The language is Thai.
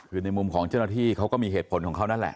คือในมุมของเจ้าหน้าที่เขาก็มีเหตุผลของเขานั่นแหละ